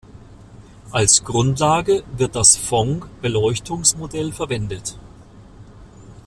Als Grundlage wird das Phong-Beleuchtungsmodell verwendet.